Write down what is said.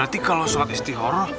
siapa laki laki yang mau sholat isi horoh